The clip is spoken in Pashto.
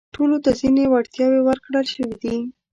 ټولو ته ځينې وړتياوې ورکړل شوي دي.